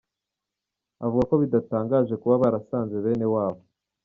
Avuga ko bidatangaje kuba barasanze bene wabo.